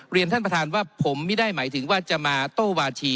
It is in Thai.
เรียนท่านประธานว่าผมไม่ได้หมายถึงว่าจะมาโต้วาธี